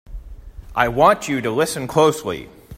I want you to listen closely!